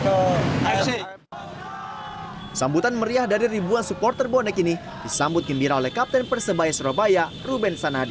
sambutan meriah dari ribuan supporter bonek ini disambut gembira oleh kapten persebaya surabaya ruben sanadi